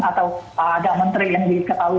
atau ada menteri yang diketahui